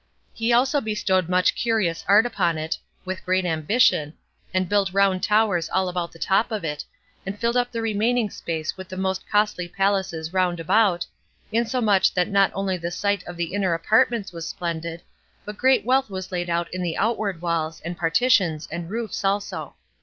He also bestowed much curious art upon it, with great ambition, and built round towers all about the top of it, and filled up the remaining space with the most costly palaces round about, insomuch that not only the sight of the inner apartments was splendid, but great wealth was laid out on the outward walls, and partitions, and roofs also.